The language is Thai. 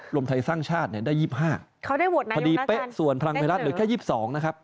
รมทัยสร้างชาติเนี่ยได้ยี่บห้าเพราะดีเป๊ะส่วนพลังไพรัสเหลือแค่ยี่บสองนะครับ